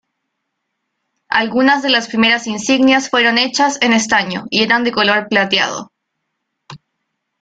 Algunas de las primeras insignias fueron hechas en estaño y eran de color plateado.